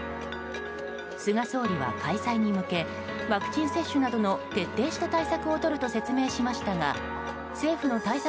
菅総理は開催に向けワクチン接種などの徹底した対策をとると説明しましたが政府の対策